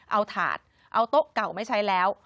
เอาถาดเอาโต๊ะเก่าไม่ใช้แล้ว